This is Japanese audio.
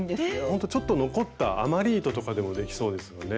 ほんとちょっと残った余り糸とかでもできそうですよね。